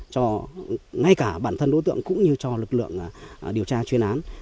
cho ngay cả bản thân đối tượng cũng như cho lực lượng điều tra chuyên án